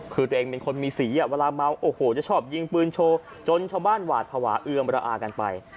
คือตัวเองเป็นคนมีสีเวลาเมาโอ้โหจะชอบยิงปืนโชว์จนชาวบ้านหวาดภาวะเอือมระอากันไป